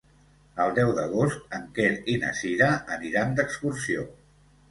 El deu d'agost en Quer i na Cira aniran d'excursió.